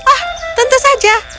oh tentu saja